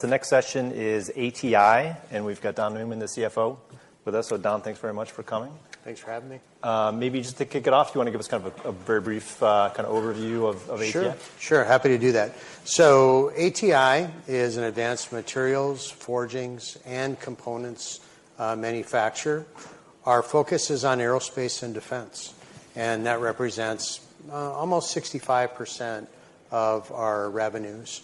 The next session is ATI, and we've got Don Newman, the CFO, with us. So Don, thanks very much for coming. Thanks for having me. Maybe just to kick it off, do you wanna give us kind of a, a very brief, kinda overview of, of ATI? Sure, sure. Happy to do that. So ATI is an advanced materials, forgings, and components manufacturer. Our focus is on aerospace and defense, and that represents almost 65% of our revenues.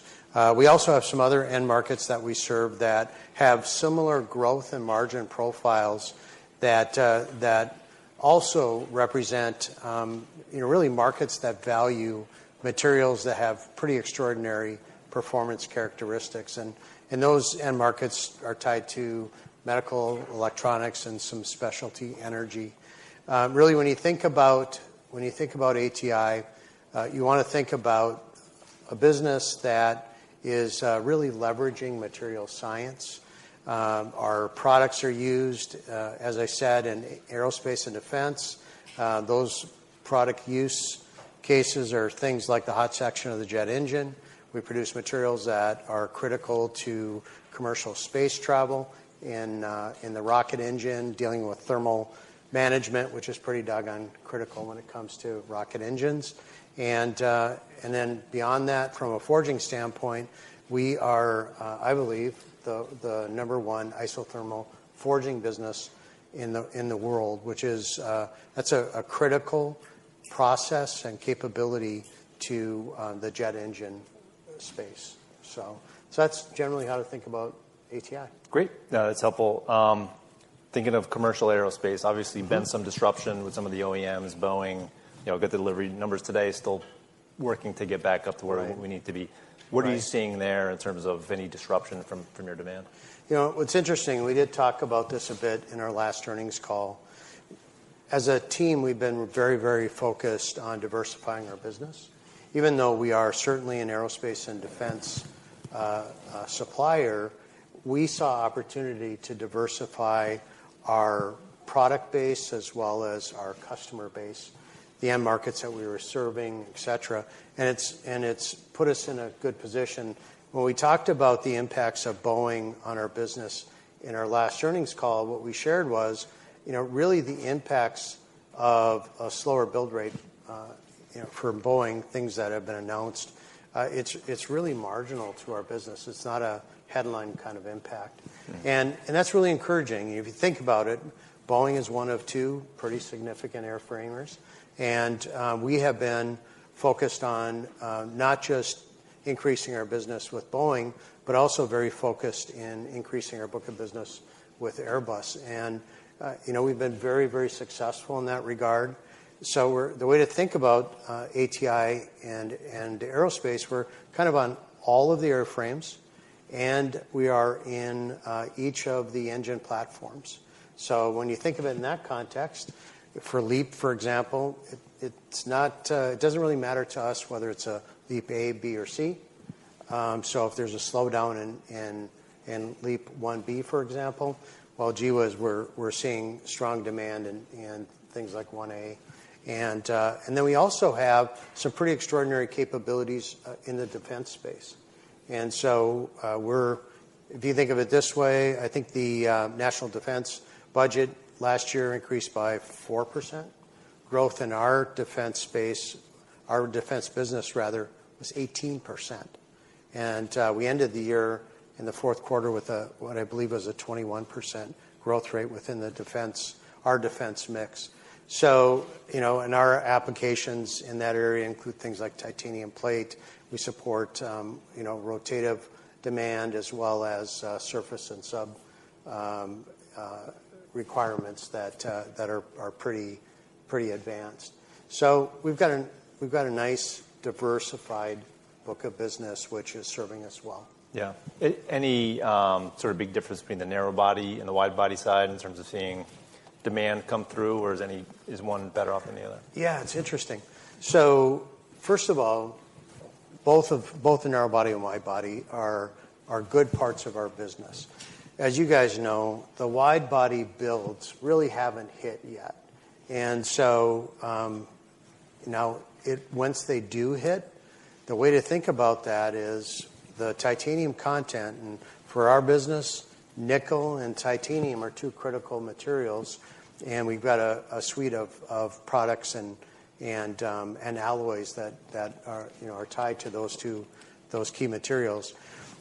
We also have some other end markets that we serve that have similar growth and margin profiles, that also represent, you know, really markets that value materials that have pretty extraordinary performance characteristics. And those end markets are tied to medical, electronics, and some specialty energy. Really, when you think about, when you think about ATI, you wanna think about a business that is really leveraging material science. Our products are used, as I said, in aerospace and defense. Those product use cases are things like the hot section of the jet engine. We produce materials that are critical to commercial space travel in the rocket engine, dealing with thermal management, which is pretty doggone critical when it comes to rocket engines. And then beyond that, from a forging standpoint, we are, I believe, the number one isothermal forging business in the world, which is that's a critical process and capability to the jet engine space. So that's generally how to think about ATI. Great. No, it's helpful. Thinking of commercial aerospace, obviously- Mm-hmm... been some disruption with some of the OEMs, Boeing, you know, good delivery numbers today, still working to get back up to where- Right... we need to be. Right. What are you seeing there in terms of any disruption from, from your demand? You know, what's interesting, we did talk about this a bit in our last earnings call. As a team, we've been very, very focused on diversifying our business. Even though we are certainly an aerospace and defense supplier, we saw opportunity to diversify our product base as well as our customer base, the end markets that we were serving, et cetera, and it's, and it's put us in a good position. When we talked about the impacts of Boeing on our business in our last earnings call, what we shared was, you know, really the impacts of a slower build rate, you know, for Boeing, things that have been announced, it's really marginal to our business. It's not a headline kind of impact. Mm. That's really encouraging. If you think about it, Boeing is one of two pretty significant airframers, and we have been focused on not just increasing our business with Boeing, but also very focused in increasing our book of business with Airbus. And you know, we've been very, very successful in that regard. So we're the way to think about ATI and aerospace, we're kind of on all of the airframes, and we are in each of the engine platforms. So when you think of it in that context, for LEAP, for example, it's not... it doesn't really matter to us whether it's a LEAP A, B, or C. So if there's a slowdown in LEAP-1B, for example, well, gee, we're seeing strong demand in things like 1A. Then we also have some pretty extraordinary capabilities in the defense space. So, we're if you think of it this way, I think the national defense budget last year increased by 4%. Growth in our defense space, our defense business rather, was 18%. We ended the year in the fourth quarter with what I believe was a 21% growth rate within the defense, our defense mix. You know, our applications in that area include things like titanium plate. We support, you know, rotative demand as well as surface and sub requirements that are pretty advanced. So we've got a nice, diversified book of business which is serving us well. Yeah. Any sort of big difference between the narrowbody and the widebody side in terms of seeing demand come through, or is one better off than the other? Yeah, it's interesting. So first of all, both the narrowbody and widebody are good parts of our business. As you guys know, the widebody builds really haven't hit yet. And so now, once they do hit, the way to think about that is the titanium content, and for our business, nickel and titanium are two critical materials, and we've got a suite of products and alloys that, you know, are tied to those two key materials.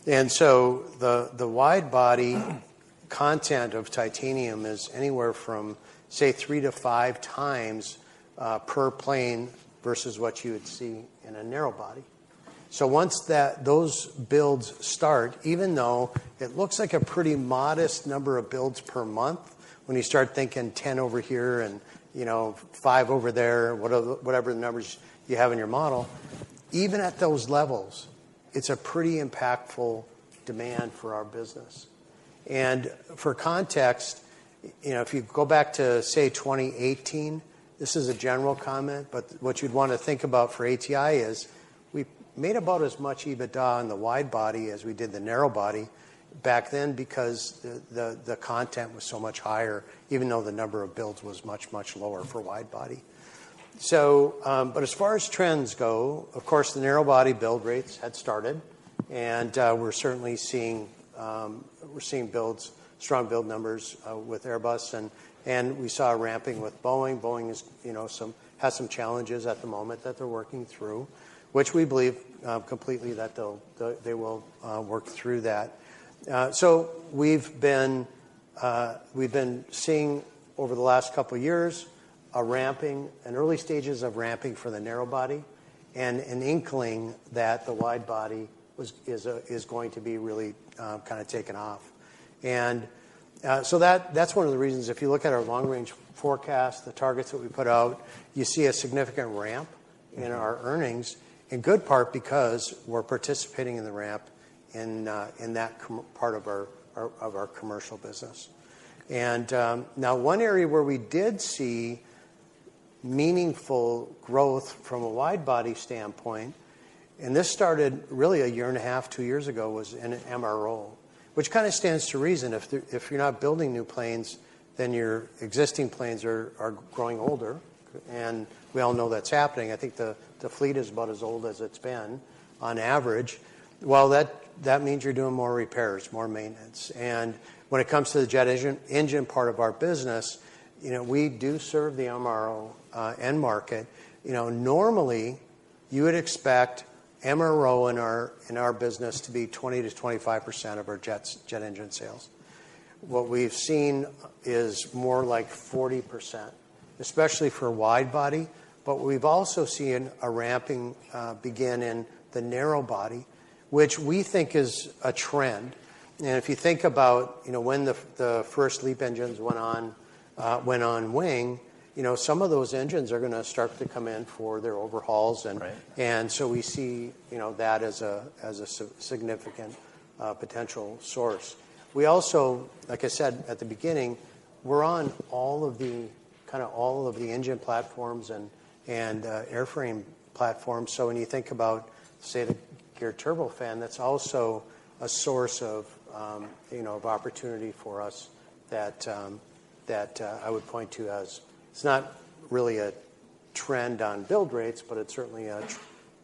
And so the widebody content of titanium is anywhere from, say, 3-5x per plane versus what you would see in a narrowbody. So once that, those builds start, even though it looks like a pretty modest number of builds per month, when you start thinking 10 over here and, you know, five over there, what are the, whatever the numbers you have in your model, even at those levels, it's a pretty impactful demand for our business. And for context, you know, if you go back to, say, 2018, this is a general comment, but what you'd wanna think about for ATI is, we made about as much EBITDA on the widebody as we did the narrowbody back then because the, the, the content was so much higher, even though the number of builds was much, much lower for widebody. But as far as trends go, of course, the narrowbody build rates had started, and we're certainly seeing builds, strong build numbers with Airbus, and we saw a ramping with Boeing. Boeing is, you know, has some challenges at the moment that they're working through, which we believe completely that they'll work through that. So we've been seeing over the last couple of years, a ramping and early stages of ramping for the narrowbody, and an inkling that the widebody was, is going to be really kind of taking off. And so that, that's one of the reasons, if you look at our long-range forecast, the targets that we put out, you see a significant ramp- Mm-hmm in our earnings, in good part because we're participating in the ramp in that component of our commercial business. And now, one area where we did see meaningful growth from a widebody standpoint, and this started really 1.5 years, 2 years ago, was in MRO. Which kind of stands to reason, if you're not building new planes, then your existing planes are growing older, and we all know that's happening. I think the fleet is about as old as it's been on average. Well, that means you're doing more repairs, more maintenance. And when it comes to the jet engine part of our business, you know, we do serve the MRO end market. You know, normally, you would expect MRO in our business to be 20%-25% of our jet engine sales. What we've seen is more like 40%, especially for widebody, but we've also seen a ramping begin in the narrowbody, which we think is a trend. And if you think about, you know, when the first LEAP engines went on wing, you know, some of those engines are gonna start to come in for their overhauls and- Right. And so we see, you know, that as a significant potential source. We also, like I said at the beginning, we're on all of the, kind of, all of the engine platforms and airframe platforms. So when you think about, say, the Geared Turbofan, that's also a source of, you know, of opportunity for us that I would point to as... It's not really a trend on build rates, but it's certainly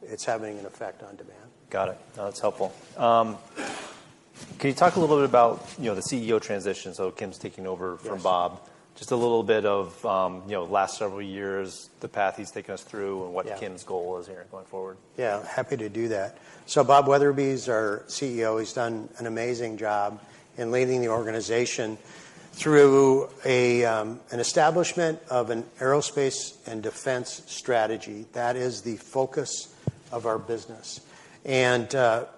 it's having an effect on demand. Got it. No, that's helpful. Can you talk a little bit about, you know, the CEO transition? So Kim's taking over from Bob. Yes. Just a little bit of, you know, last several years, the path he's taken us through- Yeah... and what Kim's goal is here going forward. Yeah, happy to do that. So Bob Wetherbee is our CEO. He's done an amazing job in leading the organization through an establishment of an aerospace and defense strategy that is the focus of our business. And,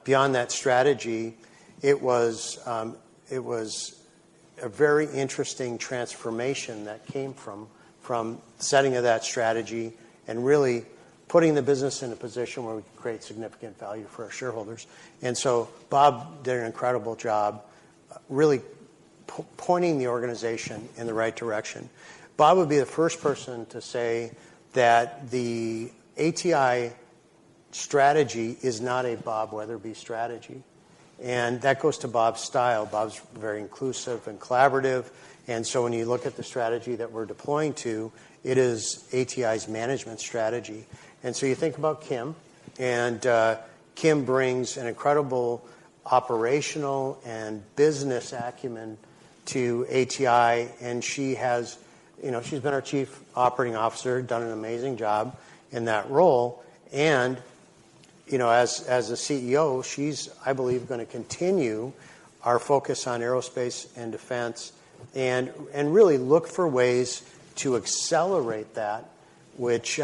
beyond that strategy, it was a very interesting transformation that came from setting of that strategy and really putting the business in a position where we could create significant value for our shareholders. And so Bob did an incredible job really pointing the organization in the right direction. Bob would be the first person to say that the ATI strategy is not a Bob Wetherbee strategy, and that goes to Bob's style. Bob's very inclusive and collaborative, and so when you look at the strategy that we're deploying to, it is ATI's management strategy. And so you think about Kim, and Kim brings an incredible operational and business acumen to ATI, and she has, you know, she's been our Chief Operating Officer, done an amazing job in that role. And, you know, as a CEO, she's, I believe, gonna continue our focus on aerospace and defense and really look for ways to accelerate that, which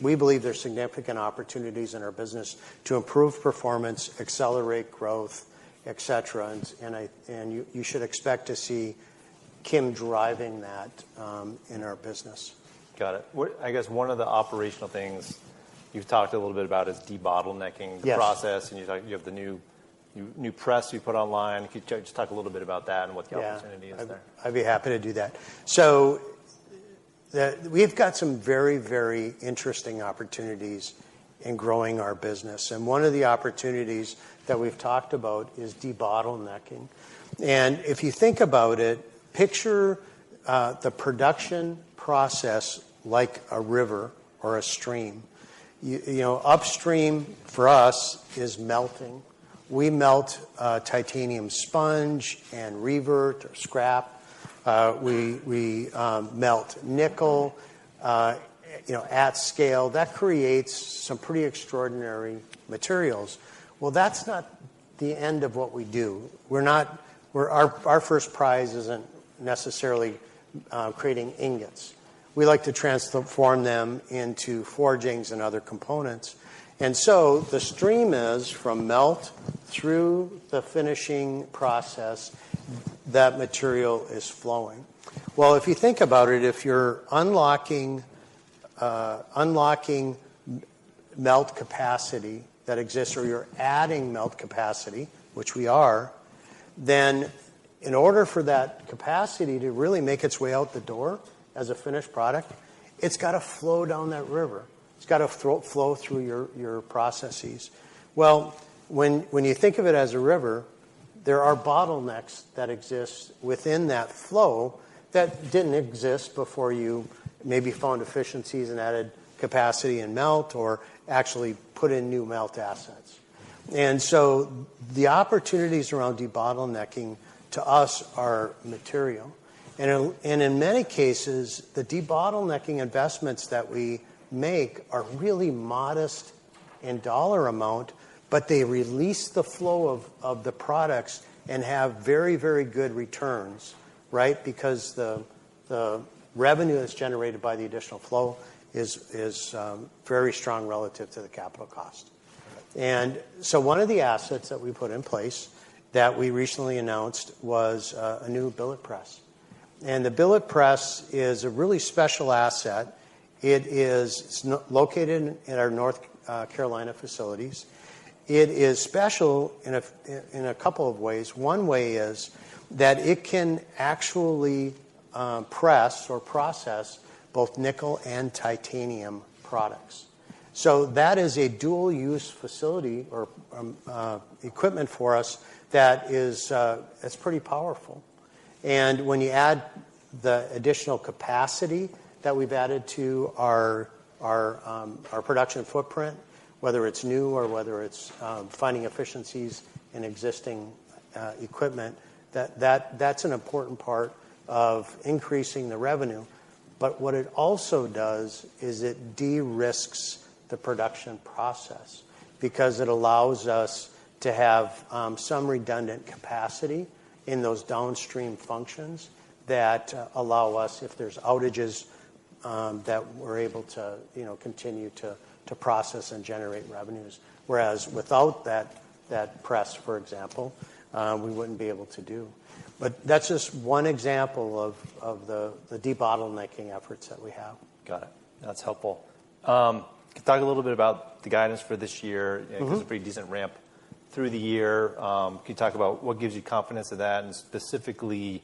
we believe there's significant opportunities in our business to improve performance, accelerate growth, et cetera. And I, and you should expect to see Kim driving that in our business. Got it. What—I guess one of the operational things you've talked a little bit about is debottlenecking— Yes... the process, and you talked, you have the new press you put online. Could you just talk a little bit about that and what the opportunity is there? Yeah, I'd be happy to do that. So we've got some very, very interesting opportunities in growing our business, and one of the opportunities that we've talked about is debottlenecking. And if you think about it, picture the production process like a river or a stream. You know, upstream for us is melting. We melt titanium sponge and revert or scrap. We melt nickel, you know, at scale. That creates some pretty extraordinary materials. Well, that's not the end of what we do. We're not our first prize isn't necessarily creating ingots. We like to transform them into forgings and other components. And so the stream is from melt through the finishing process, that material is flowing. Well, if you think about it, if you're unlocking melt capacity that exists, or you're adding melt capacity, which we are, then in order for that capacity to really make its way out the door as a finished product, it's gotta flow down that river. It's got to flow through your processes. Well, when you think of it as a river, there are bottlenecks that exist within that flow that didn't exist before you maybe found efficiencies and added capacity and melt, or actually put in new melt assets. So the opportunities around debottlenecking to us are material, and in many cases, the debottlenecking investments that we make are really modest in dollar amount, but they release the flow of the products and have very good returns, right? Because the revenue that's generated by the additional flow is very strong relative to the capital cost. And so one of the assets that we put in place that we recently announced was a new billet press. And the billet press is a really special asset. It is located in our North Carolina facilities. It is special in a couple of ways. One way is that it can actually press or process both nickel and titanium products. So that is a dual use facility or equipment for us that is that's pretty powerful. And when you add the additional capacity that we've added to our production footprint, whether it's new or whether it's finding efficiencies in existing equipment, that that's an important part of increasing the revenue. But what it also does is it de-risks the production process because it allows us to have some redundant capacity in those downstream functions that allow us, if there's outages, that we're able to, you know, continue to process and generate revenues. Whereas without that, that press, for example, we wouldn't be able to do. But that's just one example of the debottlenecking efforts that we have. Got it. That's helpful. Can you talk a little bit about the guidance for this year? Mm-hmm. It was a pretty decent ramp through the year. Can you talk about what gives you confidence of that? And specifically,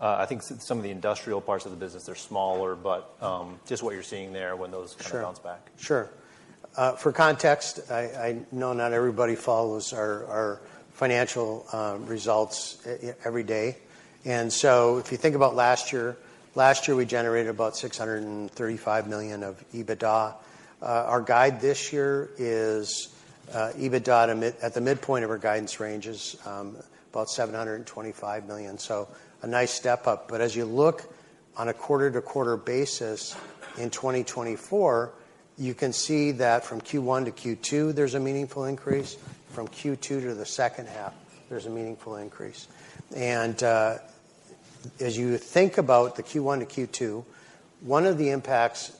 I think some of the industrial parts of the business are smaller, but just what you're seeing there when those- Sure kind of bounce back. Sure. For context, I know not everybody follows our financial results every day. So if you think about last year, last year, we generated about $635 million of EBITDA. Our guide this year is EBITDA at the midpoint of our guidance range is about $725 million. So a nice step up. But as you look on a quarter-to-quarter basis in 2024, you can see that from Q1-Q2, there's a meaningful increase. From Q2 to the second half, there's a meaningful increase. And as you think about the Q1-Q2, one of the impacts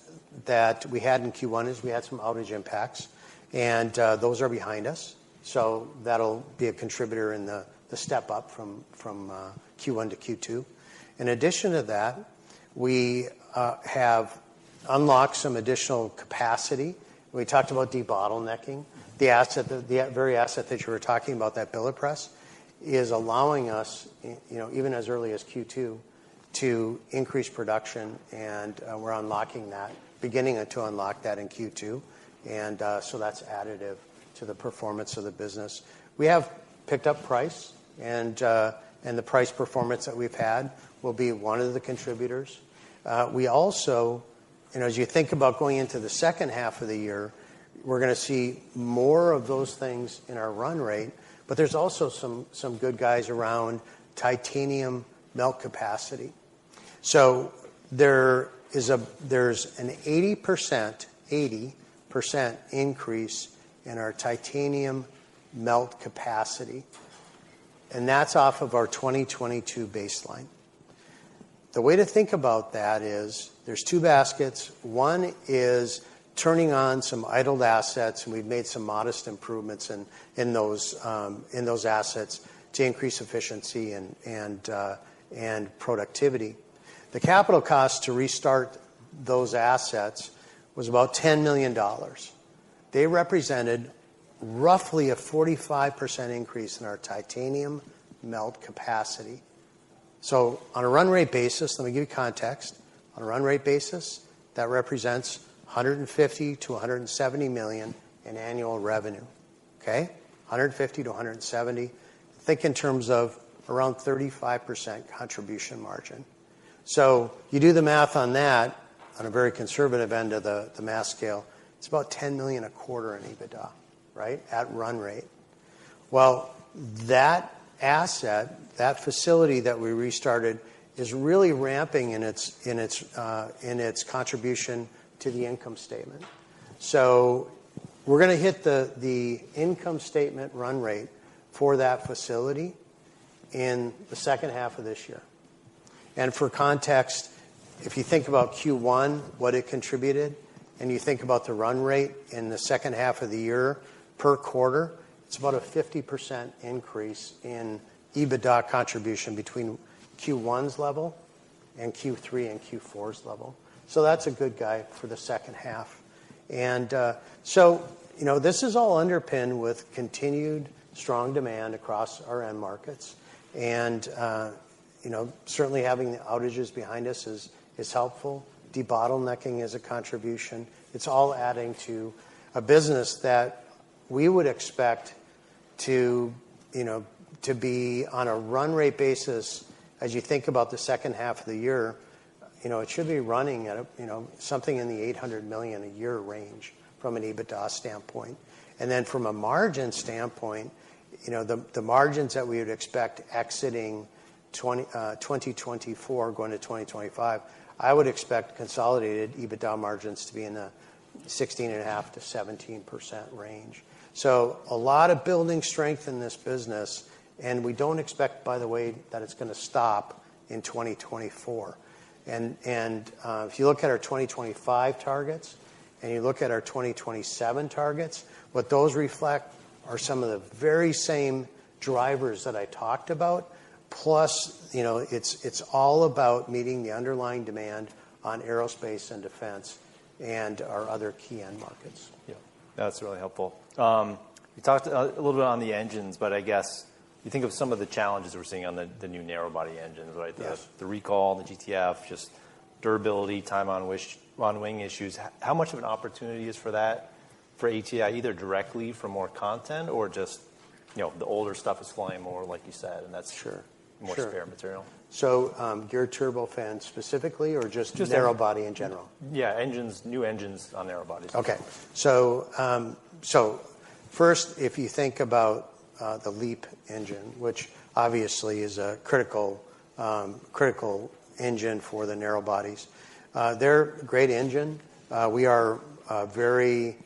that we had in Q1 is we had some outage impacts, and those are behind us. So that'll be a contributor in the step up from Q1-Q2. In addition to that, we have unlocked some additional capacity. We talked about debottlenecking. The asset, the very asset that you were talking about, that billet press, is allowing us you know, even as early as Q2, to increase production, and we're unlocking that, beginning to unlock that in Q2. And so that's additive to the performance of the business. We have picked up price, and the price performance that we've had will be one of the contributors. We also... And as you think about going into the second half of the year, we're gonna see more of those things in our run rate, but there's also some good guys around titanium melt capacity. So there is a there's an 80%, 80% increase in our titanium melt capacity, and that's off of our 2022 baseline. The way to think about that is there's two baskets. One is turning on some idled assets, and we've made some modest improvements in those assets to increase efficiency and productivity. The capital cost to restart those assets was about $10 million. They represented roughly a 45% increase in our titanium melt capacity. So on a run rate basis, let me give you context, on a run rate basis, that represents $150 million-$170 million in annual revenue, okay? $150 million-$170 million. Think in terms of around 35% contribution margin. So you do the math on that, on a very conservative end of the math scale, it's about $10 million a quarter in EBITDA, right? At run rate. Well, that asset, that facility that we restarted, is really ramping in its contribution to the income statement. So we're gonna hit the income statement run rate for that facility in the second half of this year. And for context, if you think about Q1, what it contributed, and you think about the run rate in the second half of the year per quarter, it's about a 50% increase in EBITDA contribution between Q1's level and Q3 and Q4's level. So that's a good guide for the second half. And so you know, this is all underpinned with continued strong demand across our end markets... and you know, certainly having the outages behind us is helpful. Debottlenecking is a contribution. It's all adding to a business that we would expect to, you know, to be on a run rate basis, as you think about the second half of the year, you know, it should be running at a, you know, something in the $800 million a year range from an EBITDA standpoint. And then from a margin standpoint, you know, the, the margins that we would expect exiting twenty, twenty twenty-four, going to twenty twenty-five, I would expect consolidated EBITDA margins to be in the 16.5%-17% range. So a lot of building strength in this business, and we don't expect, by the way, that it's gonna stop in 2024. If you look at our 2025 targets, and you look at our 2027 targets, what those reflect are some of the very same drivers that I talked about, plus, you know, it's all about meeting the underlying demand on aerospace and defense and our other key end markets. Yeah. That's really helpful. You talked a little bit on the engines, but I guess, you think of some of the challenges we're seeing on the new narrowbody engines, right? Yes. The recall, the GTF, just durability, time on wing issues. How much of an opportunity is for that, for ATI, either directly for more content or just, you know, the older stuff is flying more, like you said, and that's- Sure, sure More spare material? So, Geared Turbofan specifically, or just- Just- narrowbody in general? Yeah, engines, new engines on narrow bodies. Okay. So first, if you think about the LEAP engine, which obviously is a critical critical engine for the narrow bodies, they're a great engine. We are a very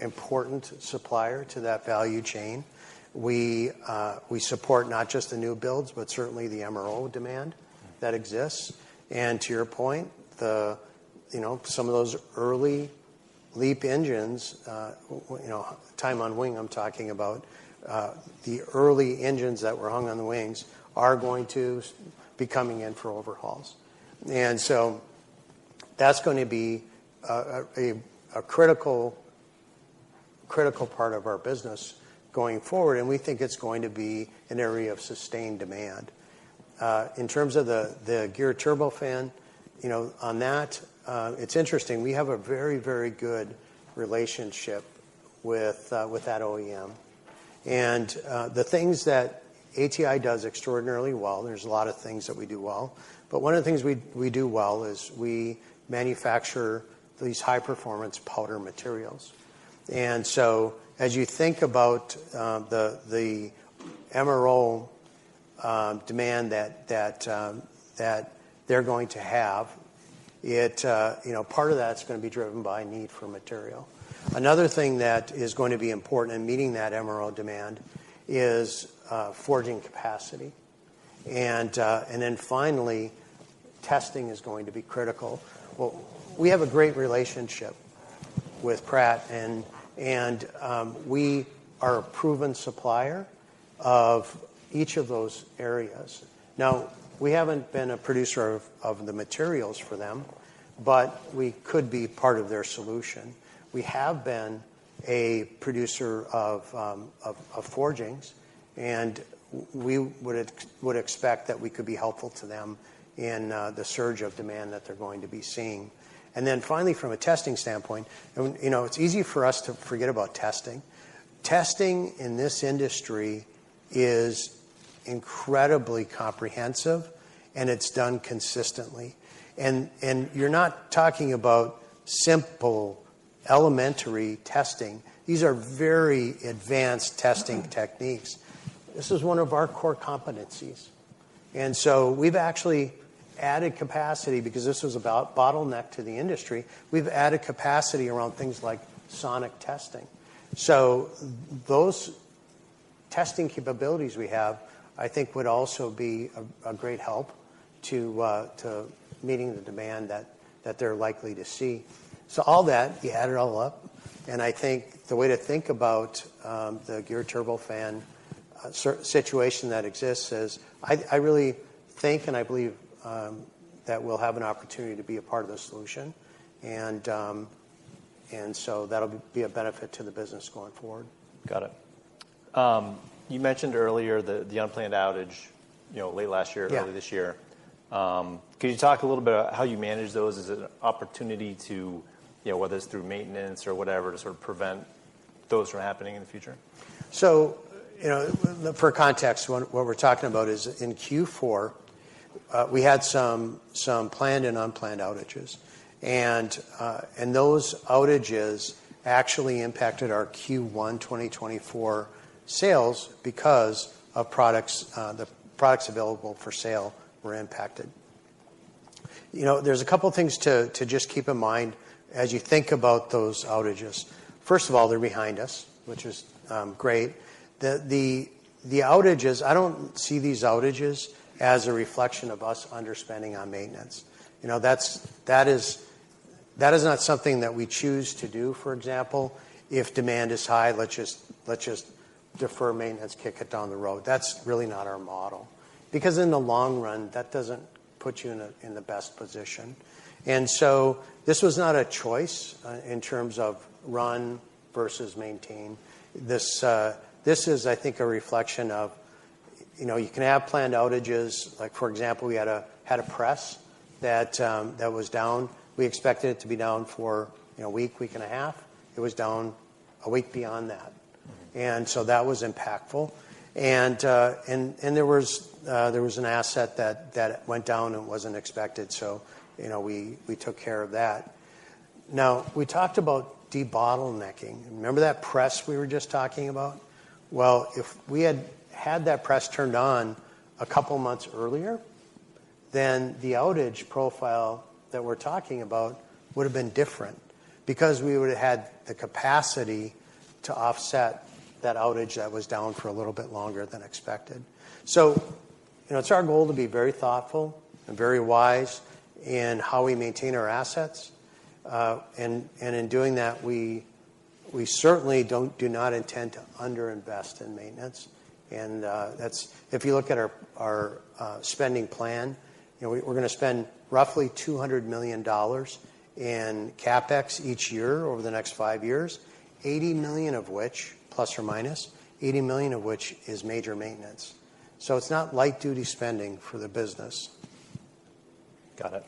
important supplier to that value chain. We support not just the new builds, but certainly the MRO demand- Mm-hmm... that exists. And to your point, the, you know, some of those early LEAP engines, you know, time on wing, I'm talking about, the early engines that were hung on the wings are going to be coming in for overhauls. And so that's gonna be a critical, critical part of our business going forward, and we think it's going to be an area of sustained demand. In terms of the Geared Turbofan, you know, on that, it's interesting, we have a very, very good relationship with that OEM. And the things that ATI does extraordinarily well, there's a lot of things that we do well, but one of the things we do well is we manufacture these high-performance powder materials. And so as you think about the MRO demand that they're going to have, it you know, part of that's gonna be driven by need for material. Another thing that is going to be important in meeting that MRO demand is forging capacity. And then finally, testing is going to be critical. Well, we have a great relationship with Pratt, and we are a proven supplier of each of those areas. Now, we haven't been a producer of the materials for them, but we could be part of their solution. We have been a producer of forgings, and we would expect that we could be helpful to them in the surge of demand that they're going to be seeing. And then finally, from a testing standpoint, and, you know, it's easy for us to forget about testing. Testing in this industry is incredibly comprehensive, and it's done consistently. And you're not talking about simple, elementary testing. These are very advanced testing techniques. This is one of our core competencies, and so we've actually added capacity because this was a bottleneck to the industry. We've added capacity around things like sonic testing. So those testing capabilities we have, I think, would also be a great help to meeting the demand that they're likely to see. So all that, you add it all up, and I think the way to think about the Geared Turbofan situation that exists is I really think, and I believe, that we'll have an opportunity to be a part of the solution. And so that'll be a benefit to the business going forward. Got it. You mentioned earlier the unplanned outage, you know, late last year- Yeah... early this year. Could you talk a little bit about how you manage those? Is it an opportunity to, you know, whether it's through maintenance or whatever, to sort of prevent those from happening in the future? So, you know, for context, what we're talking about is in Q4, we had some planned and unplanned outages. And those outages actually impacted our Q1 2024 sales because of products, the products available for sale were impacted. You know, there's a couple of things to just keep in mind as you think about those outages. First of all, they're behind us, which is great. The outages, I don't see these outages as a reflection of us underspending on maintenance. You know, that is not something that we choose to do, for example. If demand is high, let's just defer maintenance, kick it down the road. That's really not our model because in the long run, that doesn't put you in the best position. And so this was not a choice, in terms of run versus maintain. This, this is, I think, a reflection of, you know, you can have planned outages. Like, for example, we had a, had a press that, that was down. We expected it to be down for, you know, a week, week and a half. It was down a week beyond that. And so that was impactful. And, and, and there was, there was an asset that, that went down and wasn't expected, so, you know, we, we took care of that. Now, we talked about debottlenecking. Remember that press we were just talking about? Well, if we had had that press turned on a couple months earlier, then the outage profile that we're talking about would have been different because we would've had the capacity to offset that outage that was down for a little bit longer than expected. So, you know, it's our goal to be very thoughtful and very wise in how we maintain our assets. And, in doing that, we certainly do not intend to underinvest in maintenance. And, that's... If you look at our spending plan, you know, we're gonna spend roughly $200 million in CapEx each year over the next five years, $80 million of which, ±$80 million of which is major maintenance. So it's not light-duty spending for the business. Got it.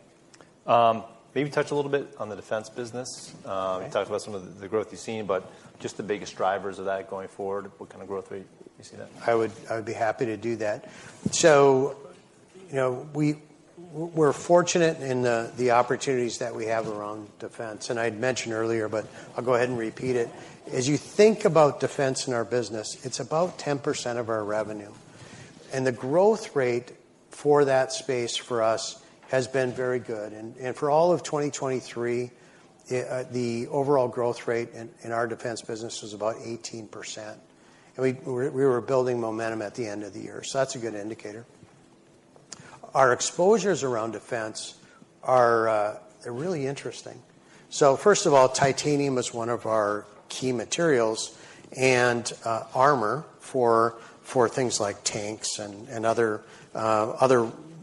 Maybe touch a little bit on the defense business. Okay. You talked about some of the, the growth you've seen, but just the biggest drivers of that going forward, what kind of growth rate you see there? I would, I would be happy to do that. So, you know, we're fortunate in the opportunities that we have around defense, and I'd mentioned earlier, but I'll go ahead and repeat it. As you think about defense in our business, it's about 10% of our revenue, and the growth rate for that space for us has been very good. And, and for all of 2023, the overall growth rate in our defense business was about 18%, and we, we were building momentum at the end of the year, so that's a good indicator. Our exposures around defense are, they're really interesting. So first of all, titanium is one of our key materials, and armor for things like tanks and other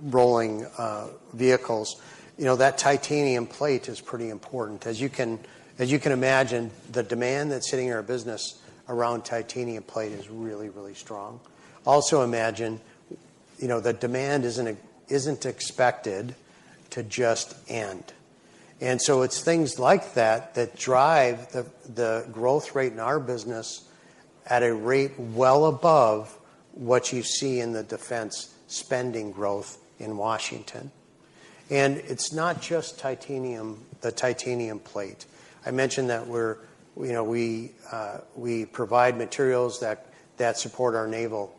rolling vehicles. You know, that titanium plate is pretty important. As you can imagine, the demand that's hitting our business around titanium plate is really, really strong. Also imagine, you know, the demand isn't expected to just end. And so it's things like that that drive the growth rate in our business at a rate well above what you see in the defense spending growth in Washington. And it's not just titanium, the titanium plate. I mentioned that we're, you know, we provide materials that support our naval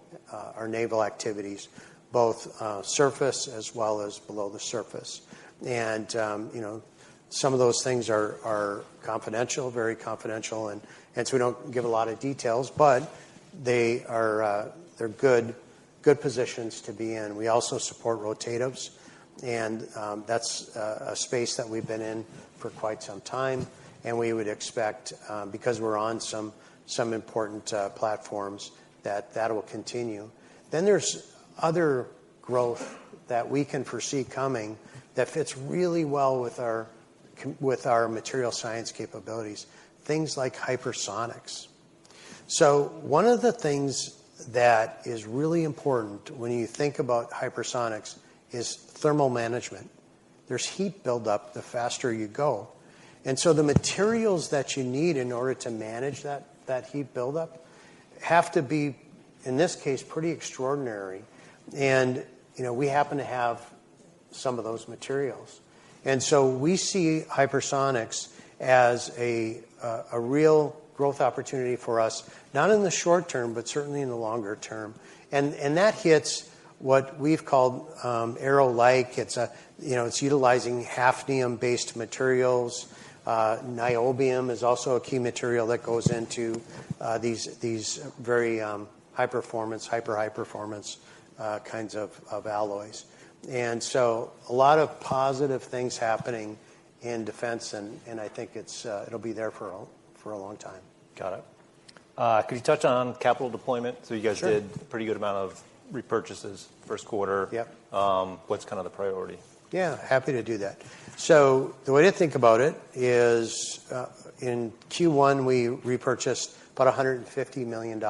activities, both surface as well as below the surface. And, you know, some of those things are confidential, very confidential, and so we don't give a lot of details, but they are, they're good positions to be in. We also support rotatives, and that's a space that we've been in for quite some time, and we would expect, because we're on some important platforms, that that will continue. Then there's other growth that we can foresee coming that fits really well with our material science capabilities, things like hypersonics. So one of the things that is really important when you think about hypersonics is thermal management. There's heat buildup the faster you go, and so the materials that you need in order to manage that heat buildup have to be, in this case, pretty extraordinary. And, you know, we happen to have some of those materials. And so we see hypersonics as a real growth opportunity for us, not in the short term, but certainly in the longer term. That hits what we've called aero-like. It's, you know, utilizing hafnium-based materials. Niobium is also a key material that goes into these very high-performance, hyper-high performance kinds of alloys. And so a lot of positive things happening in defense, and I think it'll be there for a long time. Got it. Could you touch on capital deployment? Sure. You guys did a pretty good amount of repurchases first quarter. Yep. What's kind of the priority? Yeah, happy to do that. So the way to think about it is, in Q1, we repurchased about $150 million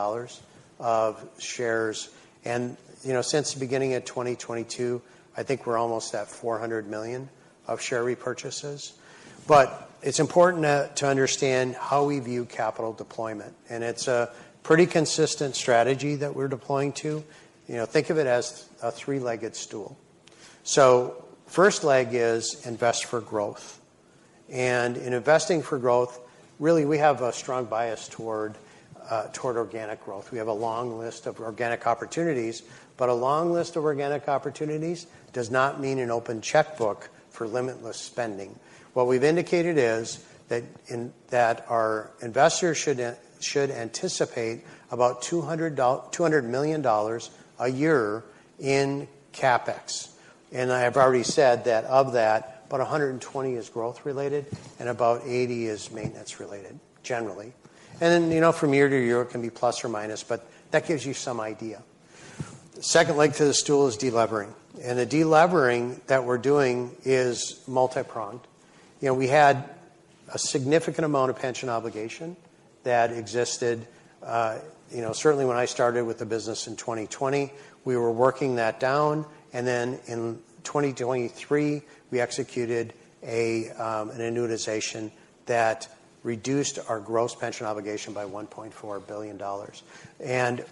of shares. And, you know, since the beginning of 2022, I think we're almost at $400 million of share repurchases. But it's important to understand how we view capital deployment, and it's a pretty consistent strategy that we're deploying to. You know, think of it as a three-legged stool. So first leg is invest for growth, and in investing for growth, really, we have a strong bias toward toward organic growth. We have a long list of organic opportunities, but a long list of organic opportunities does not mean an open checkbook for limitless spending. What we've indicated is that our investors should should anticipate about $200 million a year in CapEx.... I have already said that of that, about 120 is growth related, and about 80 is maintenance related, generally. And then, you know, from year to year, it can be plus or minus, but that gives you some idea. The second leg to the stool is delevering, and the delevering that we're doing is multipronged. You know, we had a significant amount of pension obligation that existed, you know, certainly when I started with the business in 2020. We were working that down, and then in 2023, we executed an annuitization that reduced our gross pension obligation by $1.4 billion. And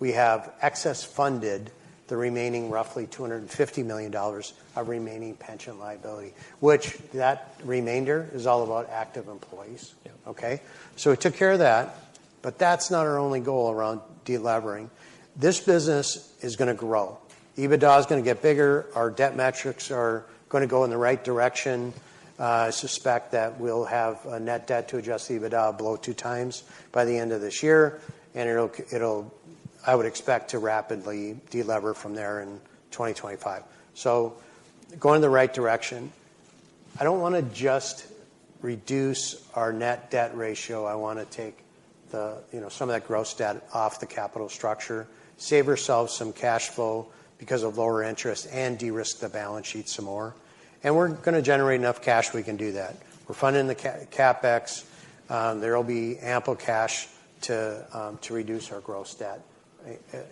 we have excess funded the remaining roughly $250 million of remaining pension liability, which that remainder is all about active employees. Yeah. Okay? So we took care of that, but that's not our only goal around delevering. This business is gonna grow. EBITDA is gonna get bigger. Our debt metrics are gonna go in the right direction. I suspect that we'll have a net debt to adjusted EBITDA below 2x by the end of this year, and it'll, I would expect, to rapidly delever from there in 2025. So going in the right direction. I don't wanna just reduce our net debt ratio, I wanna take the, you know, some of that gross debt off the capital structure, save ourselves some cash flow because of lower interest, and de-risk the balance sheet some more. And we're gonna generate enough cash we can do that. We're funding the CapEx, there will be ample cash to reduce our gross debt,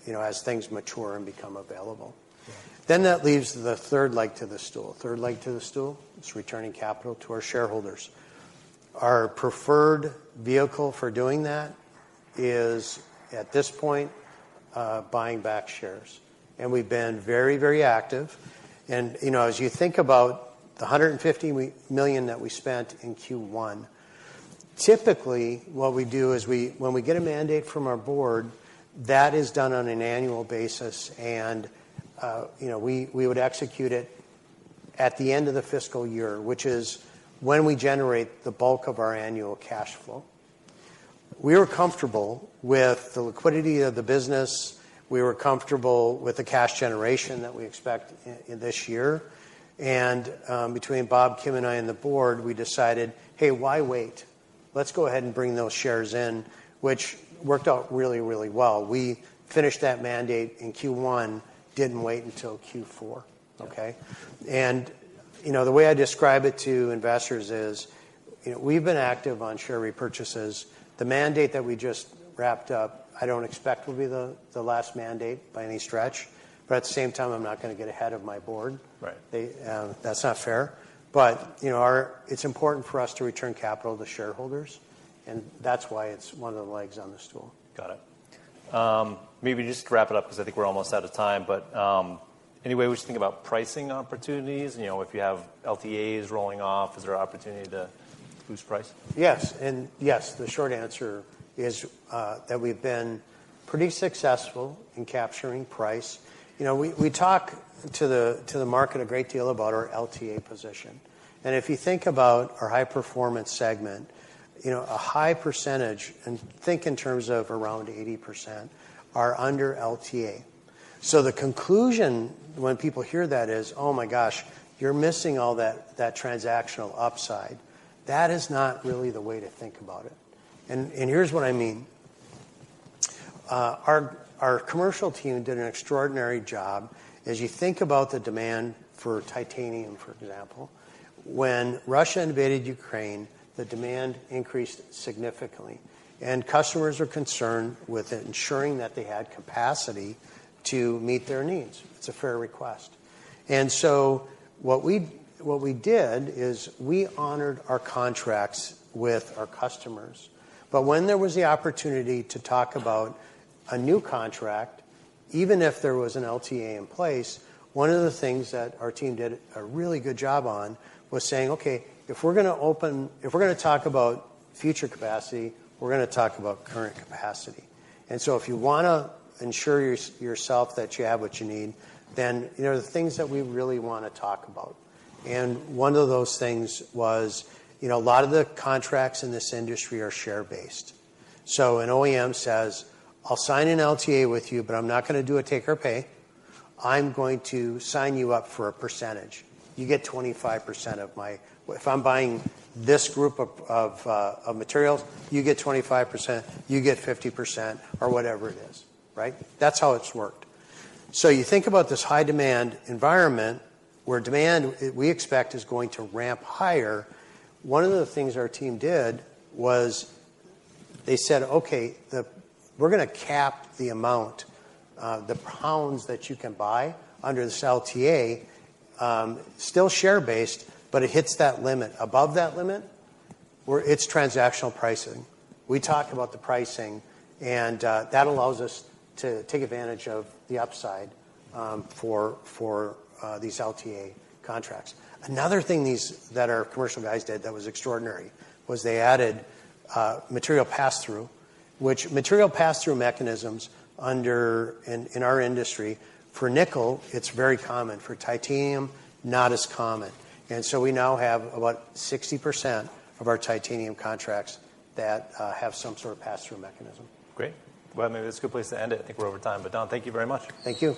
you know, as things mature and become available. Yeah. Then that leaves the third leg to the stool. Third leg to the stool, it's returning capital to our shareholders. Our preferred vehicle for doing that is, at this point, buying back shares. And we've been very, very active. And, you know, as you think about the $150 million that we spent in Q1, typically, what we do is we when we get a mandate from our board, that is done on an annual basis, and, you know, we, we would execute it at the end of the fiscal year, which is when we generate the bulk of our annual cash flow. We were comfortable with the liquidity of the business, we were comfortable with the cash generation that we expect in, in this year, and, between Bob, Kim, and I, and the board, we decided, "Hey, why wait? Let's go ahead and bring those shares in," which worked out really, really well. We finished that mandate in Q1, didn't wait until Q4. Yeah. Okay? You know, the way I describe it to investors is, you know, we've been active on share repurchases. The mandate that we just wrapped up, I don't expect will be the last mandate by any stretch, but at the same time, I'm not gonna get ahead of my board. Right. That's not fair. But, you know, it's important for us to return capital to shareholders, and that's why it's one of the legs on the stool. Got it. Maybe just to wrap it up, because I think we're almost out of time, but, any way we should think about pricing opportunities, you know, if you have LTAs rolling off, is there an opportunity to boost price? Yes, and yes, the short answer is that we've been pretty successful in capturing price. You know, we talk to the market a great deal about our LTA position, and if you think about our high-performance segment, you know, a high percentage, and think in terms of around 80%, are under LTA. So the conclusion when people hear that is, "Oh, my gosh, you're missing all that transactional upside." That is not really the way to think about it. And here's what I mean. Our commercial team did an extraordinary job. As you think about the demand for titanium, for example, when Russia invaded Ukraine, the demand increased significantly, and customers were concerned with ensuring that they had capacity to meet their needs. It's a fair request. And so what we, what we did is we honored our contracts with our customers, but when there was the opportunity to talk about a new contract, even if there was an LTA in place, one of the things that our team did a really good job on was saying, "Okay, if we're gonna open—if we're gonna talk about future capacity, we're gonna talk about current capacity. And so if you wanna ensure your-yourself that you have what you need, then, you know, the things that we really wanna talk about." And one of those things was, you know, a lot of the contracts in this industry are share-based. So an OEM says, "I'll sign an LTA with you, but I'm not gonna do a take or pay. I'm going to sign you up for a percentage. You get 25% of my... If I'm buying this group of materials, you get 25%, you get 50%," or whatever it is, right? That's how it's worked. So you think about this high-demand environment, where demand, we expect, is going to ramp higher. One of the things our team did was they said, "Okay, we're gonna cap the amount, the pounds that you can buy under this LTA, still share-based, but it hits that limit. Above that limit, we're, it's transactional pricing." We talk about the pricing, and that allows us to take advantage of the upside, for these LTA contracts. Another thing that our commercial guys did that was extraordinary was they added material pass-through, which material pass-through mechanisms under... In our industry, for nickel, it's very common. For titanium, not as common. So we now have about 60% of our titanium contracts that have some sort of pass-through mechanism. Great. Well, maybe that's a good place to end it. I think we're over time, but Don, thank you very much. Thank you.